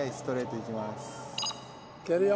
いけるよ！